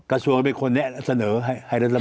กระทรวงเป็นคนแน่เสนอให้รัฐมนตรี